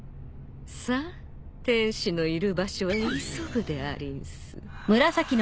さあ天使のいる場所へ急ぐでありんす。